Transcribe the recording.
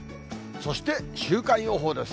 そして週間予報です。